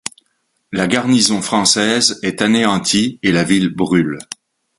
La garnison française est anéantie et la ville brûle.